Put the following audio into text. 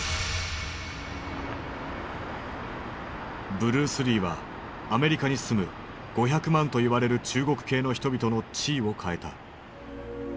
ブルース・リーはアメリカに住む５００万と言われる中国系の人々の地位を変えた。